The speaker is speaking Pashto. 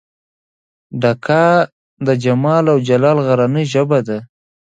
ډکه د جمال او دجلال غرنۍ ژبه ده